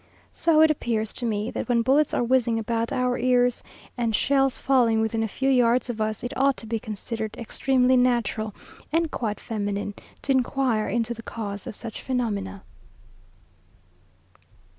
so it appears to me, that when bullets are whizzing about our ears, and shells falling within a few yards of us, it ought to be considered extremely natural, and quite feminine, to inquire into the cause of such phenomena.